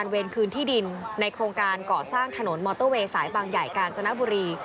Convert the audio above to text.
เวรคืนที่ดินในโครงการก่อสร้างถนนมอเตอร์เวย์สายบางใหญ่กาญจนบุรี